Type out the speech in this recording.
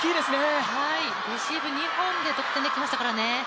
レシーブ２本で得点できましたからね。